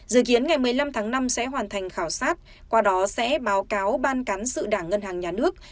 dự kiến ngày một mươi năm tháng năm sẽ hoàn thành khảo sát qua đó sẽ báo cáo ban cán sự đảng ngân hàng nhà nước